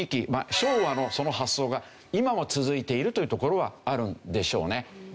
昭和のその発想が今も続いているというところはあるんでしょうね。